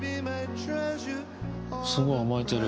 すごい甘えてる。